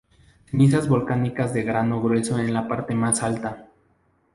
Cenizas Volcánicas de grano grueso en la parte más alta.